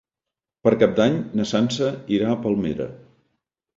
Per Cap d'Any na Sança irà a Palmera.